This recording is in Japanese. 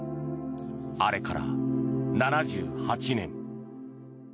あれから７８年。